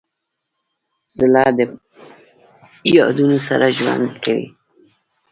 زړه د یادونو سره ژوند کوي.